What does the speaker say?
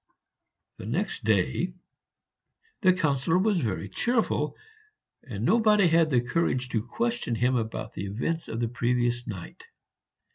The next day the Councillor was very cheerful, and nobody had the courage to question him about the events of the previous night.